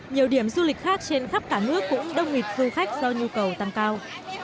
nhiều điểm du lịch khác trên khắp cả nước cũng đông nghịch du khách do nhu cầu tăng cao